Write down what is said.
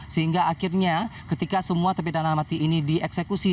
sehingga akhirnya ketika semua terpidana mati ini dieksekusi